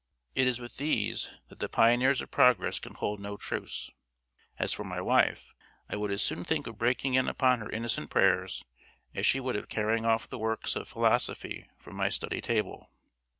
It is with these that the pioneers of progress can hold no truce. As for my wife, I would as soon think of breaking in upon her innocent prayers, as she would of carrying off the works of philosophy from my study table.